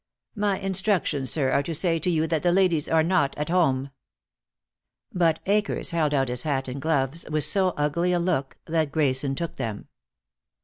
"My instructions, sir, are to say to you that the ladies are not at home." But Akers held out his hat and gloves with so ugly a look that Grayson took them.